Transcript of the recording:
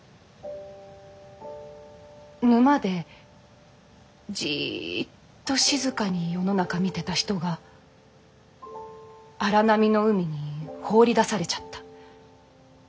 沼でジッと静かに世の中見てた人が荒波の海に放り出されちゃったみたいな。